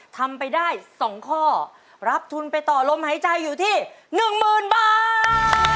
ทำไปได้๒ข้อรับทุนไปต่อลมหายใจอยู่ที่๑๐๐๐บาท